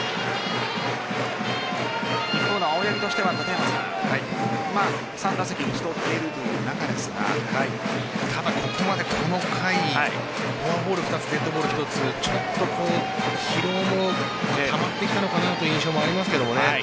一方の青柳としては３打席打ち取っているという中ですからただ、ここまでこの回フォアボール２つデッドボール１つちょっと疲労もたまってきたのかなという印象もありますけどね。